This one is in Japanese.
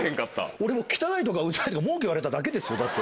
俺も「汚い」とか「ウザい」とか文句言われただけですよだって。